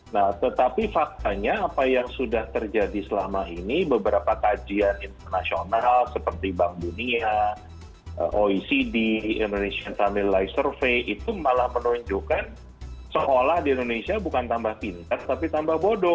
nah tetapi faktanya apa yang sudah terjadi selama ini beberapa kajian internasional seperti bank dunia oecd indonesian family survey itu malah menunjukkan seolah di indonesia bukan tambah pinter tapi tambah bodoh